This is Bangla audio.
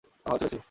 ওরা ভালো ছেলে ছিল।